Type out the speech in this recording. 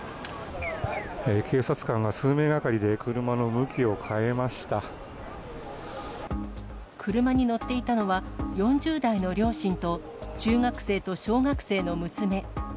警察官が数人がかりで車の向車に乗っていたのは、４０代の両親と、中学生と小学生の娘。